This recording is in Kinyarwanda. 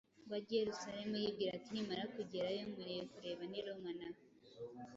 ngo ajye i Yerusalemu, yibwira ati: ‘Nimara kugerayo, nkwiriye kureba n’i Roma na ho.